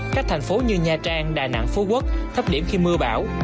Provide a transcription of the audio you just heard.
các thành phố như nha trang đà nẵng phú quốc thấp điểm khi mưa bão